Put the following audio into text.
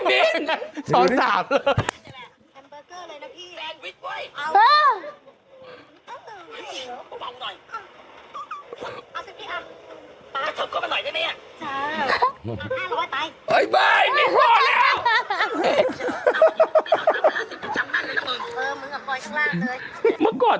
เป็นการกระตุ้นการไหลเวียนของเลือด